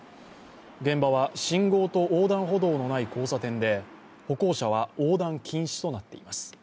現場は信号と横断歩道のない交差点で歩行者は横断禁止となっています。